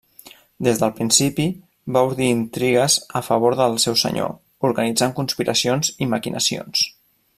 Des del principi, va ordir intrigues a favor del seu senyor, organitzant conspiracions i maquinacions.